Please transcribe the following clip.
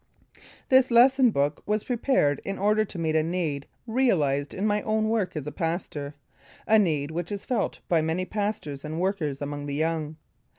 This lesson book was prepared in order to meet a need realized in my own work as a pastor; a need which is felt by many pastors and workers among the young.